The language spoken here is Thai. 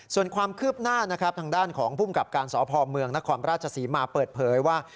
ส่วนความคืบหน้าทางด้านของผู้กับการสอบภอมเมืองนครราชสีมาเปิดเผยว่า